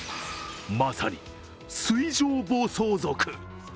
まさに水上暴走族。